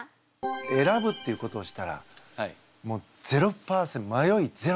選ぶっていうことをしたらもう０％まよいゼロです。